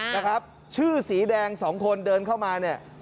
นะครับชื่อสีแดงสองคนเดินเข้ามาเนี่ย